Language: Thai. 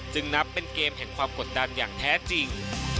นับเป็นเกมแห่งความกดดันอย่างแท้จริง